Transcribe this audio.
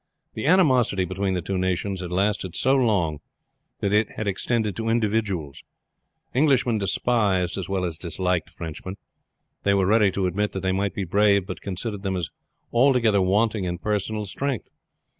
The animosity between the two nations had lasted so long that it had extended to individuals. Englishmen despised as well as disliked Frenchmen. They were ready to admit that they might be brave, but considered them as altogether wanting in personal strength.